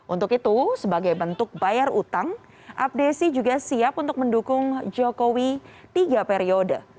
untuk itu sebagai bentuk bayar utang abdesi juga siap untuk mendukung jokowi tiga periode